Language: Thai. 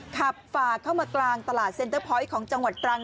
ฝ่าเข้ามากลางตลาดเซ็นเตอร์พอยต์ของจังหวัดตรัง